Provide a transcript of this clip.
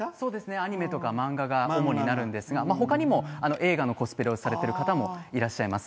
アニメとか漫画が主になるんですが他にも映画のコスプレをされている方もいらっしゃいます。